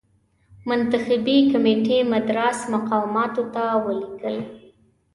منتخبي کمېټې مدراس مقاماتو ته ولیکل.